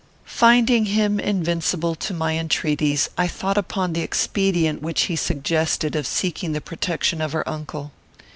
Finding him invincible to my entreaties, I thought upon the expedient which he suggested of seeking the protection of her uncle.